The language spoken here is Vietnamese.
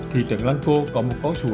thì trường lăng cô có một câu chuyện là